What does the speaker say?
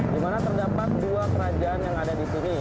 dimana terdapat dua kerajaan yang ada di sini